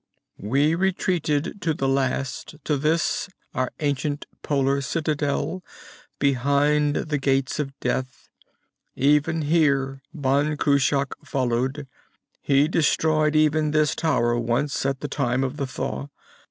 "We retreated at the last, to this our ancient polar citadel behind the Gates of Death. Even here, Ban Cruach followed. He destroyed even this tower once, at the time of the thaw.